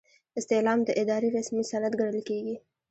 استعلام د ادارې رسمي سند ګڼل کیږي.